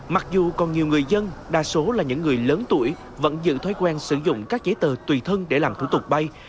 mặc dù còn nhiều người dân đa số là những người lớn tuổi vẫn giữ thói quen sử dụng các giấy tờ tùy thân để làm thủ tục bay